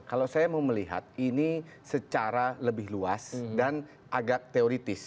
kalau saya mau melihat ini secara lebih luas dan agak teoritis